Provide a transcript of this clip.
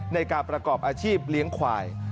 ในการประกอบอาชีพเลี้ยงควาย